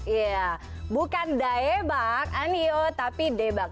iya bukan daebak anio tapi debak